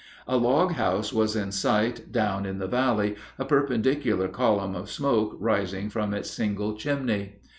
A log house was in sight down in the valley, a perpendicular column of smoke rising from its single chimney.